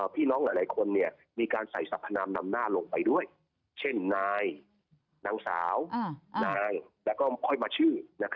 พี่น้องหลายคนมีการใส่สรรพนามนำหน้าลงไปด้วยเช่นนายนางสาวนายแล้วก็ค่อยมาชื่อ